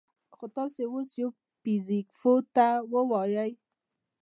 خو تاسو اوس يوه فزيك پوه ته ووايئ: